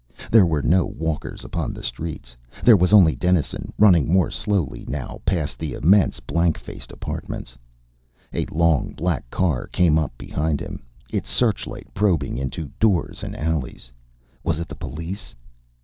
There were no walkers upon the streets. There was only Dennison, running more slowly now past the immense, blank faced apartments. A long black car came up behind him, its searchlight probing into doors and alleys. Was it the police?